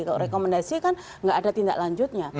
kalau rekomendasi kan nggak ada tindak lanjutnya